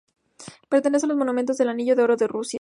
Pertenece a los monumentos del Anillo de Oro de Rusia.